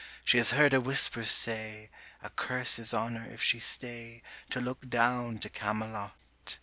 She has heard a whisper say, A curse is on her if she stay 40 To look down to Camelot.